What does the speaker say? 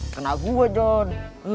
kena gue dong